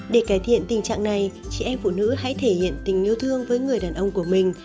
để cải thiện tình trạng này chị em phụ nữ hãy thể hiện tình yêu thương với người đàn ông của mình